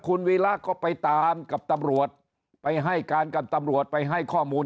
คุณวีระก็ไปตามกับตำรวจไปให้การกับตำรวจไปให้ข้อมูล